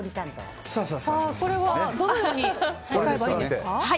これはどのようにしたらいいんですか？